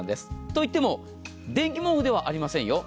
といっても電気毛布ではありませんよ。